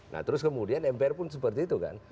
nah terus kemudian mpr pun seperti itu kan